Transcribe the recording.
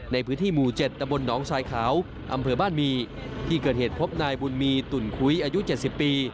ในพื้นที่หมู่๗ตะบนหนองสายขาวอำเภอบ้านมีที่เกิดเหตุพบนายบุญมีตุ่นคุ้ยอายุ๗๐ปี